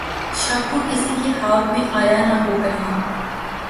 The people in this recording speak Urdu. شب کو‘ کسی کے خواب میں آیا نہ ہو‘ کہیں!